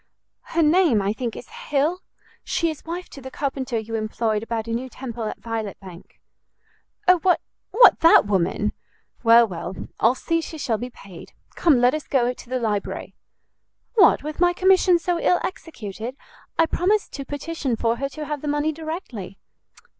"Her name, I think, is Hill; she is wife to the carpenter you employed about a new temple at Violet Bank." "O, what what, that woman? Well, well, I'll see she shall be paid. Come, let us go to the library." "What, with my commission so ill executed? I promised to petition for her to have the money directly."